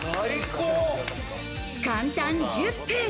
簡単１０分。